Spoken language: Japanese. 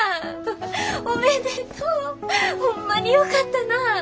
おめでとう！ホンマによかったなぁ！